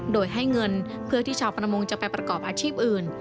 โดยให้เงินเพื่อที่ชาวประมงจะไปประกอบอาชีพอื่น